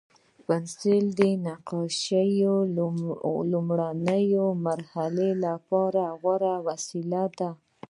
پنسل د نقاشۍ لومړني مرحلې لپاره غوره وسیله ده.